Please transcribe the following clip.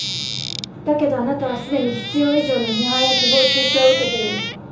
だけどあなたはすでに必要以上の批判や誹謗中傷を受けている。